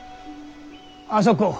あそこを。